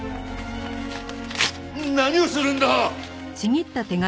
何をするんだ！